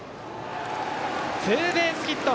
ツーベースヒット！